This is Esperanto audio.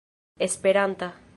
esperanta